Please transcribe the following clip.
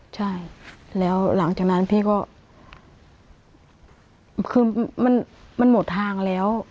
ใช่แล้วหลังจากนั้นพี่ก็คือมันหมดทางแล้ว